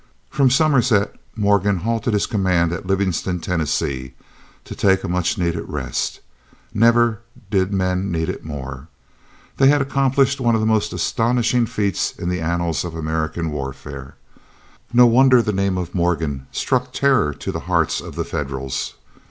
From Somerset Morgan halted his command at Livingston, Tennessee, to take a much needed rest. Never did men need it more. They had accomplished one of the most astonishing feats in the annals of American warfare. No wonder the name of Morgan struck terror to the hearts of the Federals.